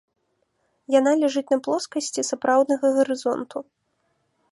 Яна ляжыць на плоскасці сапраўднага гарызонту.